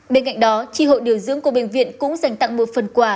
bên cạnh đó tri hội điều dưỡng của bệnh viện cũng dành tặng một phần quà